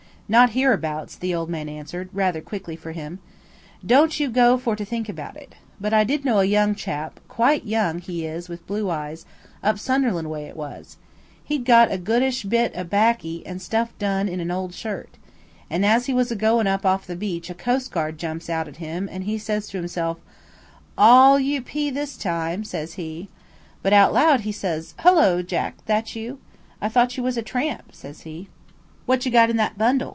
"Not hereabouts," the old man answered, rather quickly for him. "Don't you go for to think it. But I did know a young chap–quite young he is with blue eyes–up Sunderland way it was. He'd got a goodish bit o' baccy and stuff done up in a ole shirt. And as he was a goin' up off of the beach a coastguard jumps out at him, and he says to himself, 'All u. p. this time,' says he. But out loud he says, 'Hullo, Jack, that you? I thought you was a tramp,' says he. "'What you got in that bundle?'